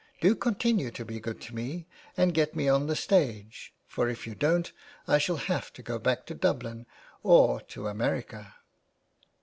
Do continue to be good to me and get me on the stage, for if you don't I shall have to go back to Dublin or to America.'